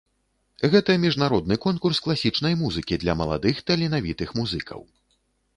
Гэта міжнародны конкурс класічнай музыкі для маладых таленавітых музыкаў.